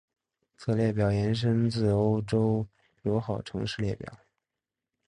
此列表延伸自欧洲友好城市列表。